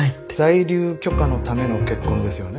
在留許可のための結婚ですよね？